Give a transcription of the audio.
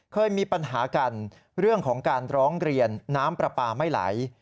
เคยมีปัญหากันเรื่องของการร้องเรียนน้ำปลาปลาไม่ไหล